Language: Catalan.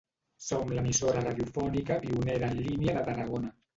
Som l'emissora radiofònica pionera en línia de Tarragona.